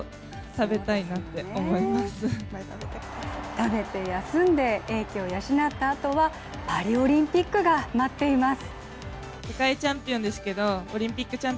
食べて休んで、英気を養ったあとはパリオリンピックが待っています。